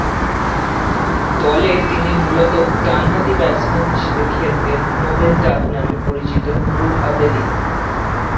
দলে তিনি মূলতঃ ডানহাতি ব্যাটসম্যান হিসেবে খেলতেন নোবেল ডাকনামে পরিচিত নূরুল আবেদীন।